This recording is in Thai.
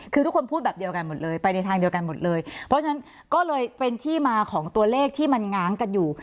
คือทุกคนพูดแบบเดียวกันหมดเลยไปในทางเดียวกันหมดเลยเพราะฉะนั้นก็เลยเป็นที่มาของตัวเลขที่มันง้างกันอยู่